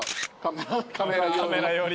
カメラ寄り。